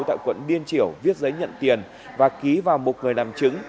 tại quận điên triểu viết giấy nhận tiền và ký vào một người làm chứng